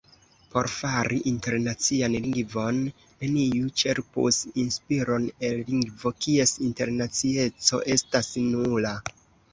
Por fari internacian lingvon, neniu ĉerpus inspiron el lingvo, kies internacieco estas nula.